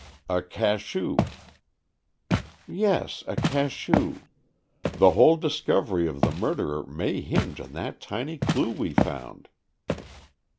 "A cachou." "Yes, a cachou. The whole discovery of the murderer may hinge on that tiny clue we found."